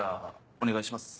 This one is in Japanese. お願いします。